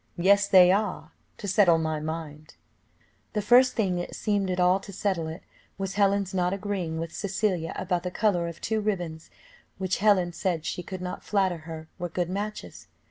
"Yes they are, to settle my mind." The first thing that seemed at all to settle it was Helen's not agreeing with Cecilia about the colour of two ribands which Helen said she could not flatter her were good matches.